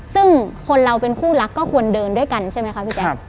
ซึ่งคนเราเป็นคู่รักก็ควรเดินด้วยกันใช่ไหมคะพี่แจ๊ค